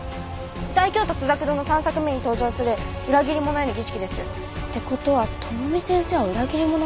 『大京都朱雀堂』の３作目に登場する裏切り者への儀式です。って事は智美先生は裏切り者って事？